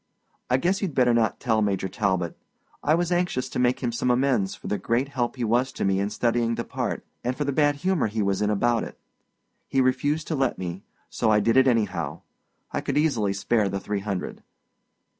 I guess you'd better not tell Major Talbot. I was anxious to make him some amends for the great help he was to me in studying the part, and for the bad humor he was in about it. He refused to let me, so I did it anyhow. I could easily spare the three hundred.